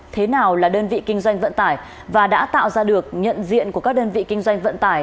thế nào là đơn vị kinh doanh vận tải và đã tạo ra được nhận diện của các đơn vị kinh doanh vận tải